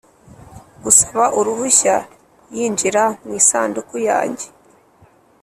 gusaba uruhushya yinjira mu isanduku yanjye